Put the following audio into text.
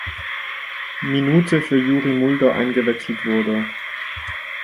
Minute für Youri Mulder eingewechselt wurde.